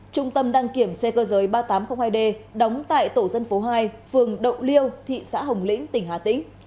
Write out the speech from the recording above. trung tâm đăng kiểm xe cơ giới ba nghìn tám trăm linh hai d đóng tại tổ dân phố hai phường đậu liêu thị xã hồng lĩnh tỉnh hà tĩnh